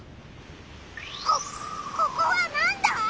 こここはなんだ？